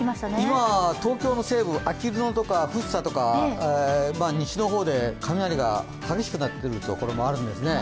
今、東京の西部、あきるのとか福生とか、西の方で雷が激しくなっているところもあるんですね。